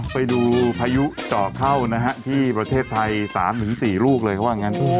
พายุเจาะเข้านะฮะที่ประเทศไทย๓๔ลูกเลยเขาว่างั้น